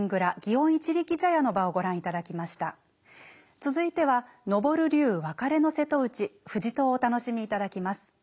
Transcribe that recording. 続いては「昇龍哀別瀬戸内藤戸」をお楽しみいただきます。